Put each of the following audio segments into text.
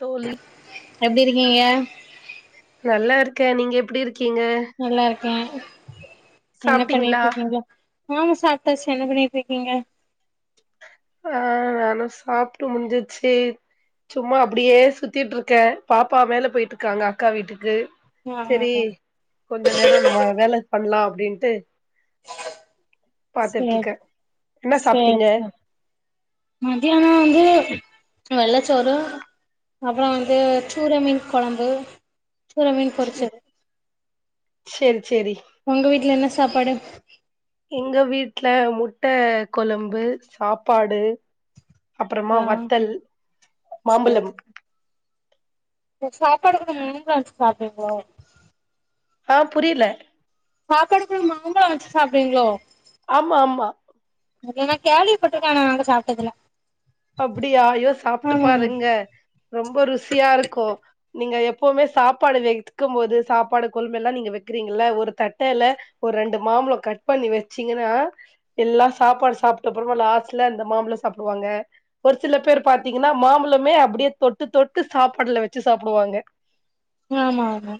தோழி எப்டி இருக்கீங்க [inaudible] நல்லா இருக்கேன் நீங்க எப்டி இரு கீங்க கேன் என்ன பண்ணிட்ருக்கீங்கோ நானு சாப்பிட்டாச்சு என்ன பண்ணிட்டு இருக்கீங்க ஆ நானும் சாப்ட்டு முடிஞ்சிச்சு சும்மா அப்டியே சுத்திட்ருக்கேன் பாப்பா மேல போயிட்டுருக்காங்க அக்கா வீட்டுக்கு ஆ ஆ செரி ஆ கொஞ்ச நேரம் நம்ம வேல பண்ணலாம் அப்படின் ட்டு பாத்துட்ருக்கேன் என்ன சாப் ஏ சாப் மத்தியானம் வந்து வெள்ளச்சோறு அப்புறம் வந்து சூர மீன் கொழம்பு சூர மீன் பொரிச்சது செரி செரி உங்க வீட்ல என்ன சாப்பாடு எங்க வீட்ல முட்ட கொழம்பு சாப்பாடு அப்புறமா ஆ வத்தல் சேர் மாம்பழம் சாப்பாடு கூட [unintelligible] வச்சு சாப்பிடுவீங்களோ ஆ புரில சாப்பாடு கூட மாம்பழம் வச்சு சாப்பிடுவீங்களோ ஆமா ஆமா அது நா கேள்வி பட்டிருக்கேன் ஆனா நாங்க சாப்பிட்டது இல்ல அப்டியா ஐயோ சாப்பிட்டு பாருங்க ரொம்ப ருசியாருக்கும் நீங்க எப் எப்பவுமே சாப்பாடு வைக்கும் போது சாப்பாடு கொழம்பு எல்லா நீங்க வைக்கிறீங்கல்ல ஒரு தட்டையில ஒரு ரெண்டு மாம்பழம் கட் பண்ணி வச்சீங்கன்னா எல்லா சாப்பாடு சாப்பிட்ட அப்புறமா லாஸ்ட்டா அந்த மாம்பழம் சாப்பிடுவாங்க ஒரு சில பேர் பாத்தீங்கனா மாம்பழமே அப்டியே தொட்டு தொட்டு சாப்பாட்ல வச்சு சாப்புடுவாங்க ஆமா ஆமா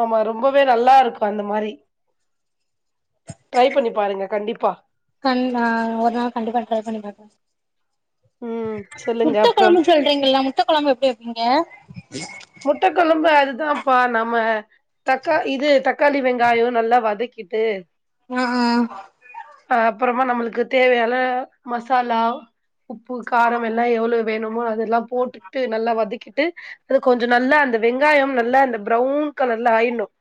ஆமா ரொம்பவே நல்லாருக்கும் அந்த மாரி ட்ரை பண்ணி பாருங்க கண்டிப்பா பண்லா ஒரு நாள் கண்டிப்பா ட்ரை பண்ணி பாக்குறன் ம் சொல்லுங்க முட்ட அப்புறம் கொழம்பு சொல்றீங்க இல்ல முட்ட கொழம்பு எப்டி வைப்பீங்க முட்டகொழம்பு அதுதான்பா நம்ம தக்கா இது தக்காளி வெங்காயம் நல்லா வதக்கிட்டு ஆ ஆ அப்றோம் நம்மளுக்கு தேவையான மசாலா உப்பு காரம் எல்லா எவ்ளோ வேணு மா அதெல்லாம் போட்டுட்டு நல்லா வதக்கிட்டு அது கொஞ்சோ நல்லா இருந்து வெங்காயம் நல்லா அந்த ப்ரவுன் கலர்ல ஆயினும்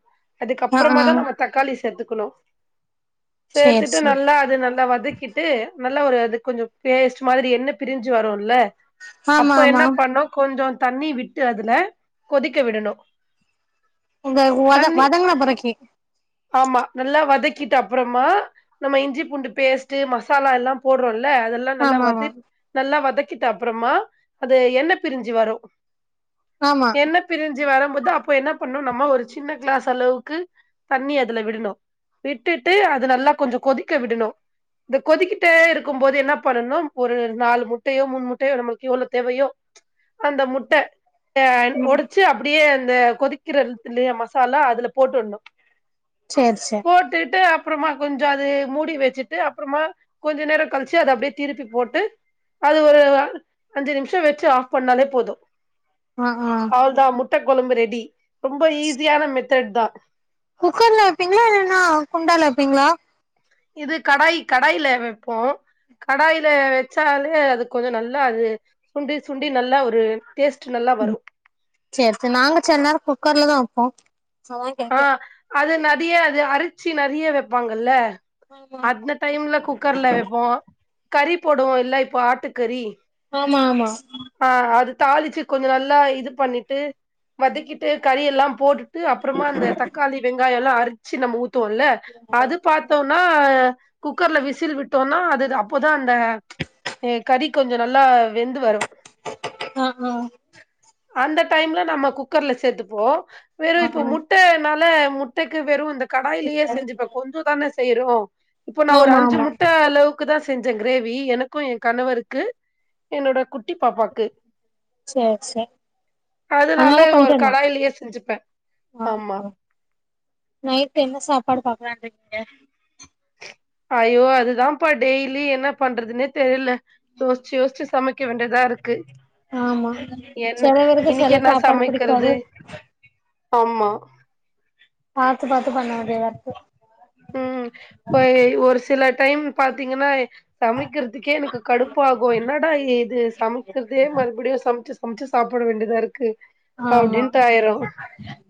ஆ அதுக்கப்றமா ஆ தா நம்ம தக்காளி சேர்த்து குணும் சேர் சேத்துட்டு சேர் நல்லா அது நல்லா வதக்கிட்டு நல்லா ஒரு அது கொஞ்சம் பேஸ்ட் மாரி எண்ண பிரிஞ்சு வருல்ல ஆமா அப்போ ஆமா என்ன பண்ணோ கொஞ்சோ தண்ணி விட் டு அதுல கொதிக்க விடனும் இந்த வத வதங்குன பெறைக்கி ஆமா நல்லா வதக்கிட்டு அப்றமா நம்ம இஞ்சி பூண்டு பேஸ்ட் மசாலா எல்லா போடுறோம்ல அதெல்லா நல்லா ஆமா ஆமா வது நல்லா வதக் கிட்ட அப்புறமா அது எண்ண பிரிஞ்சி வரும் ஆமா எண்ண பிரிஞ்சு ச் வரும்போது அப்போ என்ன பண்ணும் நம்ம ஒரு சின்ன கிளாஸ் அளவுக்கு தண்ணி அதுல விடணும் விட்டுட்டு அது நல்லா கொஞ்சம் கொதிக்க விடணும் இந்த கொதிக்கிட்டே இருக்கும் போது என்ன பண்ணனும் ஒரு நாலு முட்டையோ மூணு முட்டையோ நம்மளுக்கு எவ்ளோ தேவையோ அந்த முட்ட அ ஒடச்சு அப்படியே அந்த கொதிக்கிறலய மசாலா அதுல போட்டணு சேர் சேர் போட்டுடு அப் அப்புறமா கொஞ்சோ அது மூடி வச்சுட்டு அப்புறமா கொஞ்ச நேரோ கழிச்சு அது அப்டியே திருப்பி போட்டு அது ஒரு அஞ்சு நிமிஷ வச்சு ஆஃப் பண்ணாலே போது ஆ அ அவ்ளதா முட்ட கொலம்பு ரெடி ரொம்ப ஈஸியான மெத் த்ரெட்டா குக்கர்ல வப்பீங்களா இல்லனா குண்டால வப்பீங்களா இது கடாய் கடாயில வைப்போ கடாயில வச்சாலே அது கொஞ்சோ நல்லா அது சுண்டி சுண்டி நல்லா ஒரு டேஸ்ட் நல்லா வரு ம் சேர் சேரி நாங்க சில நேரோ குக்கர்ல தா வெப்போ ஆ அது ந நெறைய அது அரிச்சி நெறைய வைப்பாங்கல அந்த டைம்ல குக்கர்ல வைப்போ கறி போடுவோ இல்ல இப்போ ஆட்டு கறி ஆமா ஆமா தாளிச்சு கொஞ்சோ நல்லா இது பண்ணிட்டு வதக்கிட்டு கறி யலா போட்டுட்டு அப்புறமா அந்த தக்காளி வெங்காயோ எல்லா ச்சி நம்ம ஊ த்துவோல்ல அது பார்த்தோம்னா குக்கர்ல விசில் விட்டோனா அதுதா அப்போதா அந்த ஏ கறி கொஞ்சோ நல்லா வெந்து வரும் ம் ஹ் அந்த டைம்ல நம்ம குக்கர்ல சேர்த்துப்போ வேற ஆ ப்ப முட்ட நல்ல முட்டெக்கு வெறு இந்த கடாயிலேயே ஆ செஞ்சுப்ப ஆ கொஞ்ச தானே செய்றோ இபோ நா ஒரு ஆமா அஞ்சு ஆமா முட்ட அளவு குதா செஞ்ச கிரேவி எனக்கு என் கணவருக்கு என்னோட குட்டி பாப்பாக்கு சேர் சேர் அதனால ஒரு கடாயிலயே செஞ்சுப்பே ஆமா நைட் என்ன சாப் சாப்பாடு பாக்கலானு இருக்கீங்க ஐயோ அதுதான்ப்பா டெய்லி என்ன பண்றதுன்னே தெரில யோசிச் யோசிச் சமைக் வேண்டியதா இரு ஆமா சில பேருக்கு இன்னைக்கு சில என்ன சாப்பாடு சமைக்கிறது? பிடிக்காது ஆமா பாத்து பாத்து பண்ண வேண்டியதா இருக்கு ம் போய் ஒரு சில டைம் பாத்தீங்கன்னா சமைக்கிறதுக்கே எனக்கு கடுப்பு ஆகும் என்னடா இது சமைக்கிறதே மறுபடியும் சமைச்சு சமைச்சு சாப்பிட வேண்டியதா இருக்கு ஆமா அப்டின்டு ஆயிரும்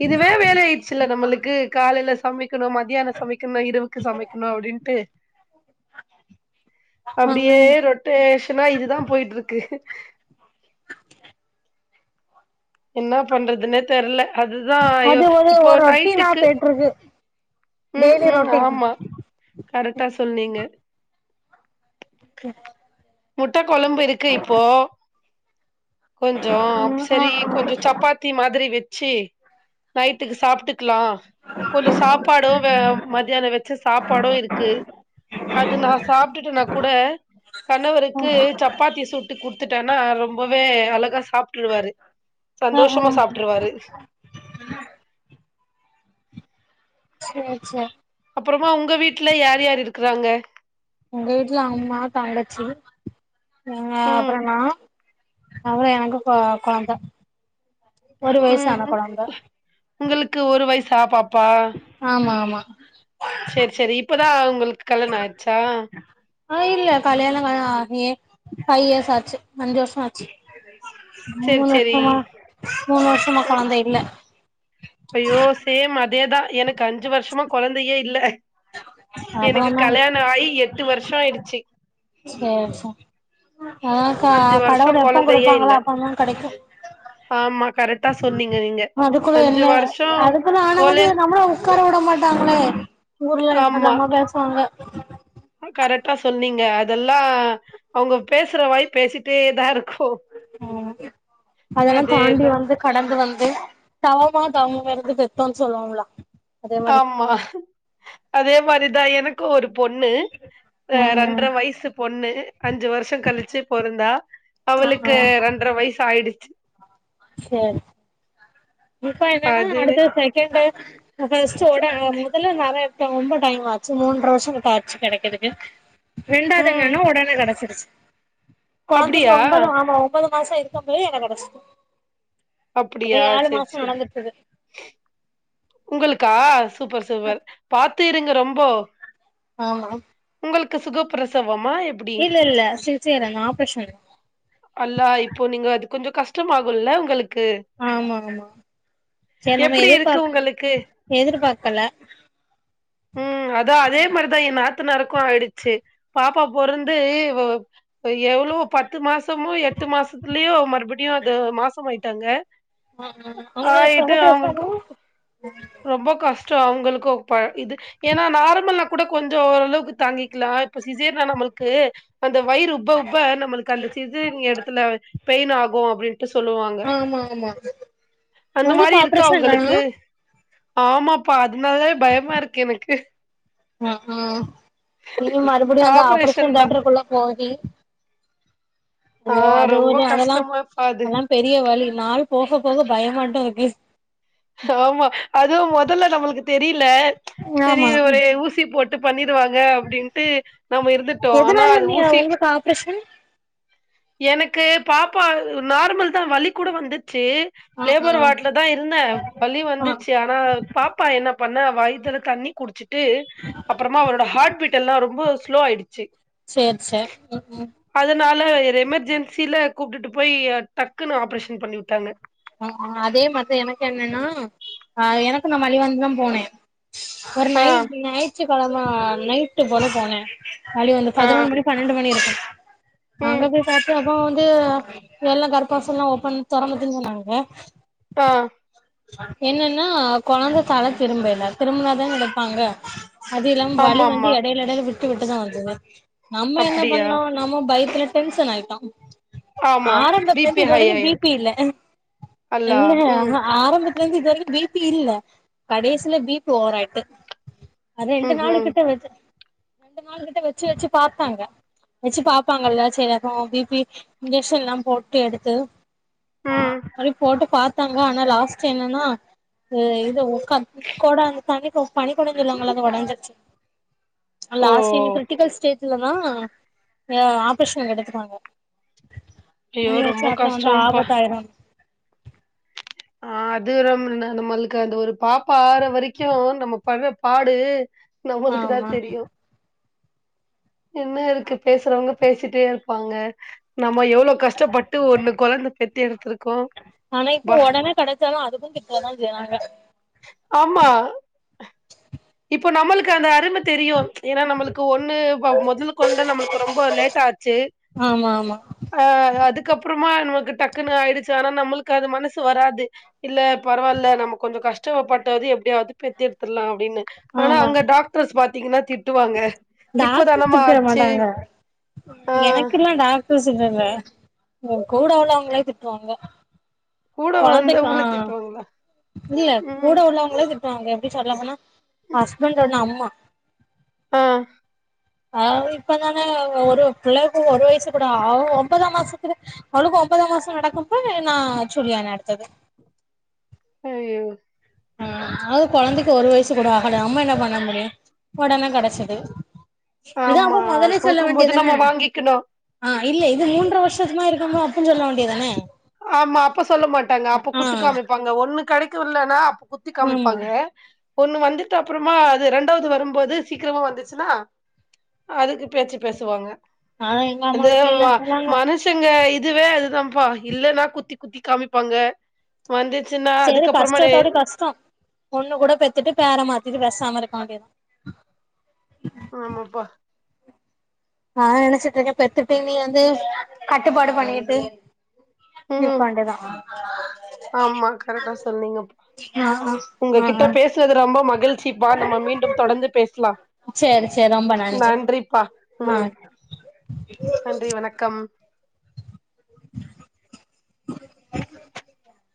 இதுவே வேல ஆயிடுச்சு இல்ல நம்மளுக்கு காலையில சமைக்கணும் மத்தியா சமைக்கணும் இரவுக்கு சமைக்கணும் அப்டின்ட்டு அப்டியே ம் ரொட்டேஷனா இது தா போயிட்டு இருக்கு என்ன பண்றதுன்னே தெர்ல அது தான் ஐயோ அது ஒரு இப்போ ஒரு ரொட்டீனா நைட்டுக்கு போயிட்டு இருக்கு ம் டெய்லி ம் ரொட்டீன் ஆம்மா கரெக்டா சொன்னீங்க [inaudible] முட்ட கொழம்பு இருக்கு இப்போ கொஞ்சோ ம் ஆ செரி கொஞ்சம் சப்பாத்தி மாதிரி வெ ச்சி நைட்டுக்கு சாப்பிட்டு லாம் கொஞ்சோ சாப்பாடோ மத்தியானம் வச்ச சாப்பாடும் இருக்கு அது நான் சாப்பிட்டுட்டேனா கூட கணவருக்கு சப்பாத்தி சுட்டு குடு த்துட்டேனா ரொம்போ வே அழகா சாப்பிட்டுருவாரு ஆ ஆ சந்தோஷமா சாப்டுருவாரு சேரி சேரி அப்புறமா உங்க வீட்ல யார் யார் இருக்கிறாங்க உங்க வீட்ல அம்மா தங்கச்சி ஆ ம் அப்றோ நா அப்றோ எனக்கு கொ கொழந்த ஒரு வயசு ம் ஆனா உ- கொழந்த உங்களுக்கு ஒரு வயசா பாப் ஆமா ஆமா [unintelligible] சேரி சேரி இப்ப தான் உங்களுக்கு கல்யாணம் ஆயிடுச்சா ஆ இல்ல கல்யாணோ ஆகி ஃபைவ் இயர்ஸ் ஆச்சு அஞ்சு வருஷம் ஆச்சு சேரி மூனு சேரி வருஷமா மூனு வருஷமா ம் கொழந்த இல்ல ஐயோ சேம் அதே தான் எனக் அஞ்சு வருஷமா கொழந்தயே இல்ல எனக்கு அதாதா கல்யாண ஆயி எட்டு வருஷோ ஆயிடுச்சு சேரி சேரி அதாக்கா அஞ்சு வருஷோ கடவுள் எப்ப கொழந்தையே குடுப்பாங்களோ இல்ல அப்பதா கெடைக்கு ஆமா கரெக்டா சொன்னீங்க நீங்க அதுக்குள்ளே அஞ்சு வருஷோ அதுக்குனு ஆனா வந்து கோலன் நம்மளு ஒக்கார உட மாட் ட்டாங்களே ஊர்ல ஆமா என்னலாமோ பேசுவாங்க ட்டா சொன்னீங்க அதெல்லா அவங்க பேசுற வாய் பேசிட்டே தா இருக் ம் அதெல்லா தாண்டி அதேதா வந்து கடந்து வந் து தவமா தவமிருந்து பெத்தோன்னு சொல்வாங்கல்ல ஆம்மா அதே மாரி தா எனக்கு ஒரு பொண்ணு ரெ ம் ம் ரெண்ட்ர வயசு பொண்ணு அஞ்சு வருஷோ கலிச்சு பொறந்தா ஆ ஆ அவளுக்கு ரெண்ட்ர வயசு ஆயிடுச்சு சேரி இப்ப என்னன்னா அதுவே அடுத்தது செகண்ட்டு ஆ ச- பஃஸ்ட்டோட ஆ முதல்ல நெறய த ரொம்ப டைம் ஆச்சு மூன்ற வருஷங்கிட்ட ஆச்சி கெடைக்குறதுக்கு ம் வெண்டாதங்கன்னா ஒடனே கெடச்சிருச்சு கொழந்தைக்கு அப்டியா ஒம்பது ஆமா ஒம்பது மாஸோ இருக்கப்பயே எனக்கு கெடைச்சுது அப்டியா சேரி ஆனந்தத்துது உங்களுக்கா சூப்பர் சூப்பர் பாத் த்து இருங்க ரொம்போ ஆமா உங்களுக்கு சுகப்பிரசவ் இல்ல இல்ல சிஸ்சேரியன் ஆப்ரேசன் அல்லா இப்போ நீங்க அது கொஞ்சோ கஷ்டமாகுல்ல உங்களுக் ஆமாங்க ஆமா சேரி நம்ம எப்டி இருக்கு எதிர்பாக் உங்களுக்கு எதிர்பாக்கல ம் அதா அதே மாரிதா எ நாத் த்தனாருக்கு ஆயிடுச்சு பாப்பா பொறந்து வ எவ்ளோ பத்து மாச சமோ எட்டு மாசத்துலயோ மறுபடியு அது மாசமாயிருச் ட்டங்க ஆ ஆ அவங்களா சுகப்பிரசவொ ரொம்ப கஷ்டோ அவங்களுக்கு ப்ப இது ஏன்னா நார்மலா கூட கொஞ்சோ ஓரளவுக்கு தாங்கிக்கலா இப்ப சிஸ் சேரின்னா நம்மளுக்குஅந்த வயிறு உப்ப உப்ப நம்மளுக்கு அந்த சிஸ்சரியன் எடத்துல பெயின் ஆகு அப்டின்ட்டு சொல்லுவாங்க ஆமா ஆமா அந்த உங்களுக்கு மாரி இருக்கா ஆப்ரேஷன் தானா உங்களுக்கு ஆமாப்பா அத் அதுனாலே பயமா இருக்கு எனக்கு ம் ம் நீங்க மறுபடியு அந்த ஆப்ரேஷன் ஆபரேஷன் தா தியேட்டர்குள்ள போகி ஆ ஓ அது ரொம்ப ஒரு அதெலா கஷ்டமாப்பா அது அதுல்லா பெரிய வலி நாள் போக போக பயமட்டு இருக்கு ஆமா அதுவு மொதல்ல நம்ளுக்கு தெரி ல சேரி ஆமா ஒரு ஊசி போட் டுப் பண்ணிர் டுவாங்க அப்டின்ட்டு நம்ம இருந்துட்டோ ஆனா எதனால அது நீ ஊசி உங்களுக்கு ஆப்ரேஷன் எனக் க்கு பாப்பா நார்மல் தா வலி கூட வந்து ச்சு ஆ லேபர் ஆ வாட்ல தா இருந்தே வலி ஆ வந்துச்சு ஆனா பாப்பா என்ன பண்ணா வயத்துல தண்ணி குடிச்சுட்டு அப்றமா அவளோட ஹாட்பீட்டல்லா ரொம்ப ஸ்லோ ஆயிடுச்சு சேரி சேரி ம் ம் அதனால எமெர்ஜென்சில கூப்டுட்டு போய் டக்குன்னு ஆப்ரேஷன் பண்ணி உட்டாங்க அ ஆ அதே மாரிதா எனக்கு என்னன்னா ஆ எனக்கு நா வலி வந்துதா போனே ஒரு ஆ நைட் நைட் ழ்த்தி கெழம நைட்டு போல போனே வலி வந்து ஆ பதினொன்னு மணி பண்ணன்டு மணி இருக்கு ம் அங்கபோய் பாத்தோம் பொ வந்து எல்லா கர்பாசல்லா ஓப்பன் தொறந்துருக்குன்னு சொன்னாங்க ஏ ஆ என்னன்னா கொழந்த தல திரும்ப இல திரும்புனாதான எடுப்பாங்க அது இல்லாம வலி ஆமா வந்து ஆமா எடைல எடைல விட் விட்டு விட்டு தா வந்துது நம்ம என்ன அப்டியா பண்ணோ நம்ம பயத்துல டென்ஷன் ஆயிட்டோ ஆமா பி ஆரம்பத்துல பி இருந்து ஹை இதுவரைக்கு ஆயிரு பிபி இல்ல அல்லா இல்ல ம் ஆ ஆரம்பத் த்துலருந்து இது வரைக்கு பிபி இல்ல கடைசில பிபி ஓவராய்ட்த்து அதே ம் ரெண்டு நாளுக் ம் கிட்ட வச்சு ரெண்டு நாள் கிட்ட வச்சு வச்சு பாத்தாங்க வச்சு பாபப்பாங்கல்ல சரி அப்றொ பிபி இன்ஜெக்க்ஷன்ல்லா போட்டு எடுத்து ஆ ம் பாத்தாங்க ஆனா லாஸ்ட் என்னன்னா ஆ இது உக்கம் கோடொ அந்த தணி கொ பனி கொடன்னு சொல்லுவாங்க இல்ல அது ஒடஞ்சிச்சு ஓ லாஸ்ட் இங்க கிரிட்டிக்கல் ஸ்டேஜ் இல்லன்னா ஆ ஆப்ரேஷன் எடுத்துட்டாங்க ஐயோ அதுவாச்சா ரொம்ப அப்புறொ வந்து கஷ்டம்ப்பா ஆபத்தாயிரு ஆ அது நம்மளு நம்மளுக்கு அந்த ஒரு பாப்பா ஆற வரைக்கு நம்ம பட்ற பாடு நம்மளுக்கு தா ஆமா தெரியு என்ன இருக்கு பேசுறவங்க பேசிட்டே இருப்பாங்க நம்ம எவ்ளோ கஷ்டப்பட்டு ஒன்னு கொழந்த பெத்து எடுத்துருக் ஆனா இப்போ ஒடனே கெடச்சாலு அதுக்கு திட்ட தா செய்வாங்க ஆமா இப்போ நம்மளுக்கு அந்த அருமத் தெரியு ஏன்னா நம்மளுக்கு ஒன்னு வ மொதல் கொழந்த நம்ளுக்கு ரொம்ப லேட் ஆச்சு ஆமா ஆமா ஆ அதுக்கப்றமா நமக்கு டக்குன்னு ஆயிடுச்சு ஆனா நம்மளுக்கு அது மனசு வராது இல்ல பரவால்ல நம்ம கொஞ்சோ கஷ் ச்சவப்பட்டாது எப்டியாவது பெத்தெடுத்துட்லா அப்டின்னு ஆனா ஆமா அங்க டாக்டர்ஸ் பாத் த்தீங்கன்னா திட் டாக்டர் திட்ட மாட்டாங்க ஆ எனக்குல்லா டாக்டர்ஸ் திட்டல உ கூட உள்ளவங்களே திட்டுவாங்க கூட கொழந்தைக்கு ஆ வந்தவங்கள திட்டுவாங்களா இல்ல கூட ம் உள்ளவங்களே திட் ட்டுவாங்க எப்டி சொல்லுவாங்கன்னா ஹஸ்பெண்ட்டென்ன அம்மா ஆ ஆ இப்ப தான ஒரு புள்ளைக்கு ஒரு வயசு கூட ஆவு ஒம்பதா மாசத்துல அவளுக்கு ஒம்பதா மாஸோ நடக்கும்போ நா சொல்லியான அடுத்தது ஐயோ ஆ அது கொழந்தைக்கு ஒரு வயசு கூட ஆகல அம்மா இன்னா பண்ண முடியு ஒடனே கெடச்சுது ஆம்மா குடுக்கும் போது நம்ம வாங்கிக்கணு ஆ இல்ல இது மூன்ற வருஷத்துமா இருக்கமோ அப்ப சொல்ல வேண்டியதான ஆமா அப்ப சொல்ல மாட்டாங்க அப்ப குத்து காமிப்பாங்க ஒன்னு கெடைக்கு இல்லனா அப் குத்தி ஆமா காமிப்பாங்க ஒண்ணு வந்துட்டு அப்றமா அது ரெண்டாவது வரும்போது சீக்கிரமா வந்துச்சுன்னா அதுக்கு பேச்சு பேசுவாங்க ஆனா எங்க அம்மா இந்த வீட்ல வ எல்லா சொன்னாங்க மனுஷங்க இதுவே அதுதான்ப்பா ட்டா குத்தி குத்தி காமிப்பாங்க வந்து சரி கஷ்டத்தோட கஷ்டொ ஒன்னு கூட பெத்துட்டு பேர மாத்திட்டு பேசாம இருக் ஆதேதா ஆமாப்பா நா நெனச்சிட்ருக்க பெத்துட்டு நீ வந்து கட்டுப்பாடு பண்ணிட்டு இருக்க ம் வேண்டியதா ஆம்மா கரெக்டா சொன்னீங்கப்பா ஆ ஆ ஆ உங்ககிட்ட ஆ பேசுறது ரொம்ப மகிழ்ச்சிப்பா நம்ம மீண்டும் தொடர்ந்து பேசலா சேரி சேரி ரொம்ப நன்றி நன்றிப்பா ம் ஆ நன்றி வணக்கம் [inaudible]